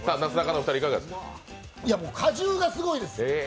果汁がすごいです。